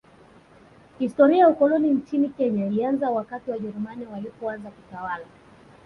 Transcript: Historia ya ukoloni nchini Kenya ilianza wakati Wajerumani walipoanza kutawala